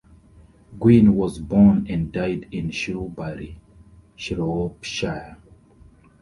Gwynn was born and died in Shrewsbury, Shropshire.